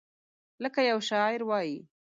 لکه یو شاعر وایي: